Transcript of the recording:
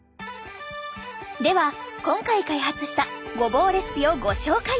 では今回開発したごぼうレシピをご紹介。